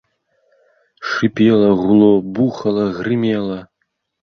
Шыпела, гуло, бухала, грымела.